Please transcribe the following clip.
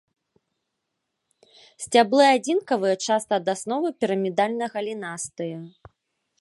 Сцяблы адзінкавыя, часта ад асновы пірамідальна-галінастыя.